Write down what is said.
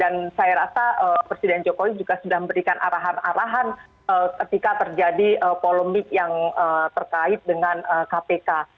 dan saya rasa presiden jokowi juga sudah memberikan arahan arahan ketika terjadi polemik yang terkait dengan kpk